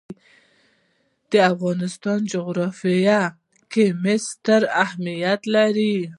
د افغانستان جغرافیه کې مس ستر اهمیت لري.